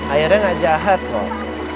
airnya gak jahat kok